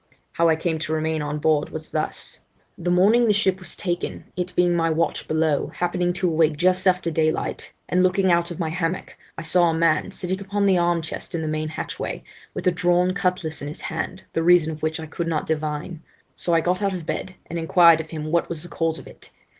How I came to remain on board was thus: 'The morning the ship was taken, it being my watch below, happening to awake just after daylight, and looking out of my hammock, I saw a man sitting upon the arm chest in the main hatchway, with a drawn cutlass in his hand, the reason of which I could not divine; so I got out of bed and inquired of him what was the cause of it.